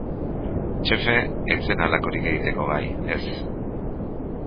Txefe ez zen halakorik egiteko gai, ez.